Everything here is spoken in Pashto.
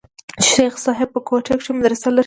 چې شيخ صاحب په کوټه کښې مدرسه لري.